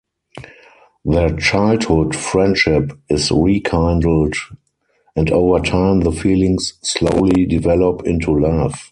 Their childhood friendship is rekindled and over time the feelings slowly develop into love.